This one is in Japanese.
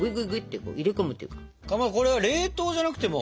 かまどこれは冷凍じゃなくても。